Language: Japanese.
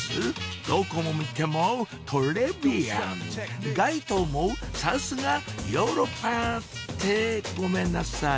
どこ見てもトレビアン街灯もさすがヨーロッパってごめんなさい